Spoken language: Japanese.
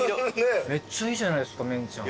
めっちゃいいじゃないですかメンちゃん。